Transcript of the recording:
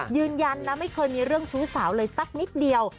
ยืนยันนะไม่เคยมีเรื่องชู้สาวเลยสักนิดเดียว